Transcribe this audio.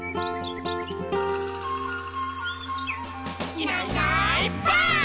「いないいないばあっ！」